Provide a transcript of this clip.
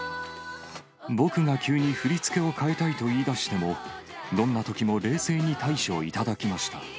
僕が急に振り付けを変えたいと言いだしても、どんなときも冷静に対処いただきました。